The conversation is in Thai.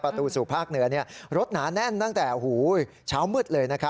ประตูสู่ภาคเหนือเนี่ยรถหนาแน่นตั้งแต่โหช้ามืดเลยนะครับ